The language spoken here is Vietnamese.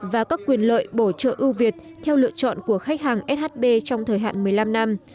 và các quyền lợi bổ trợ ưu việt theo lựa chọn của khách hàng shb trong thời hạn một mươi năm năm